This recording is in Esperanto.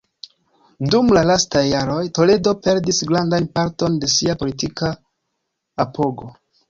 Dum la lastaj jaroj, Toledo perdis grandan parton de sia politika apogo.